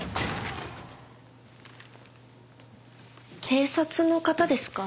警察の方ですか？